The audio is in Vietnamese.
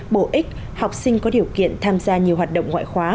bổ ích học sinh có điều kiện tham gia nhiều hoạt động ngoại khóa